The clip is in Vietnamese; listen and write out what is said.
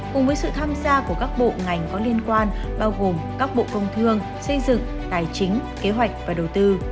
cùng với sự tham gia của các bộ ngành có liên quan bao gồm các bộ công thương xây dựng tài chính kế hoạch và đầu tư